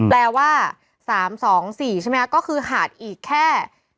๓๒๔ใช่ไหมครับก็คือขาดอีกแค่๕๒